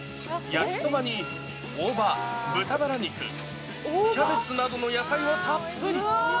焼きそばに大葉、豚バラ肉、キャベツなどの野菜をたっぷり。